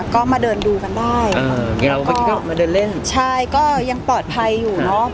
ก็มาเดินดูกันได้ก็ยังปลอดภัยอยู่เนาะ